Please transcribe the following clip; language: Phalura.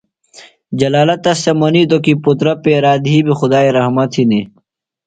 جلالہ تس تھےۡ منِیتوۡ کی پُترہ پیرا دھی بیۡ خدائی رحمت ہِنیۡ۔